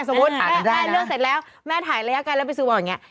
สมมุติแม่เลือกเสร็จแล้วแม่ถ่ายระยะกันแล้วไปซื้อบัตรอย่างนี้